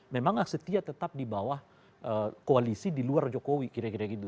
memang setia tetap di bawah koalisi di luar jokowi kira kira gitu